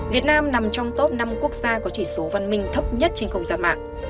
việt nam nằm trong top năm quốc gia có chỉ số văn minh thấp nhất trên không gian mạng